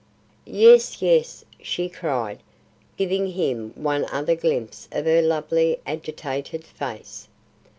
"Yes, yes," she cried, giving him one other glimpse of her lovely, agitated face.